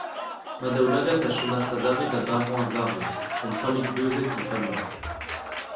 Ma daoulagad a chomas adarre da barañ a-varv, un tammig beuzet an taol-mañ.